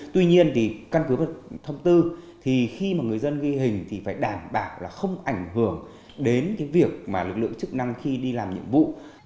tuy nhiên thì căn cứ vật thông tư thì khi mà người dân ghi hình thì phải đảm bảo là không ảnh hưởng đến cái việc mà lực lượng chức năng khi đi làm nhiệm vụ